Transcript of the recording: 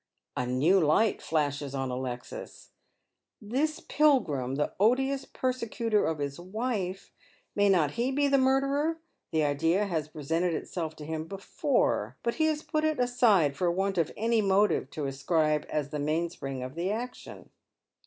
A new light flashes on Alexis. This Pilgrim, the odious per secutor of his wife, may not he be the murderer '? The idea has presented itself to him before, but he has put it aside for want of any motive to ascribe as the mainspring of the action.